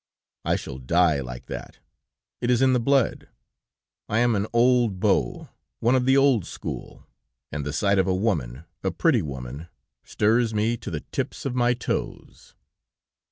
I shall die like that; it is in the blood. I am an old beau, one of the old school, and the sight of a woman, a pretty woman, stirs me to the tips of my toes.